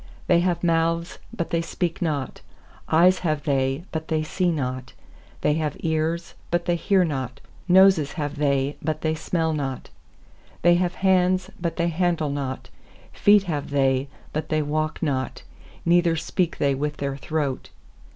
sThey have mouths, but they speak not; Eyes have they, but they see not; 6They have ears, but they hear not; Noses have they, but they smell not; 7They have hands, but they handle not; Feet have they, but they walk not; Neither speak they With their throat.